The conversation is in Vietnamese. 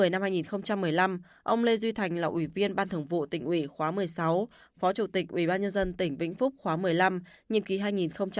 năm hai nghìn một mươi năm ông lê duy thành là ủy viên ban thường vụ tỉnh ủy khóa một mươi sáu phó chủ tịch ủy ban nhân dân tỉnh vĩnh phúc khóa một mươi năm nhiệm ký hai nghìn một mươi một hai nghìn một mươi sáu